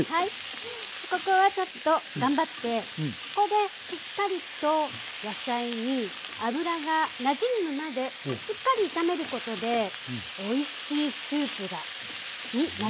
ここはちょっと頑張ってここでしっかりと野菜に油がなじむまで炒めることでおいしいスープになるんです。